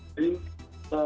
diadakan secara online saja